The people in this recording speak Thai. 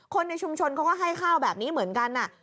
ในชุมชนเขาก็ให้ข้าวแบบนี้เหมือนกัน